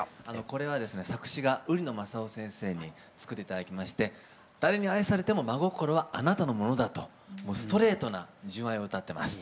これはですね作詞が売野雅勇先生に作って頂きまして誰に愛されても真心はあなたのものだとストレートな純愛を歌ってます。